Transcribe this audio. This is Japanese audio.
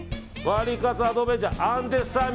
ワリカツアドベンチャー。